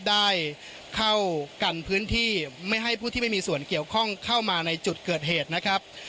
ได้เข้ากันพื้นที่ไม่ให้ผู้ที่ไม่มีส่วนเกี่ยวข้องเข้ามาในจุดเกิดเหตุนะครับ